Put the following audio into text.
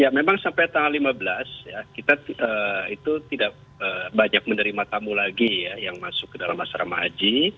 ya memang sampai tanggal lima belas kita itu tidak banyak menerima tamu lagi ya yang masuk ke dalam asrama haji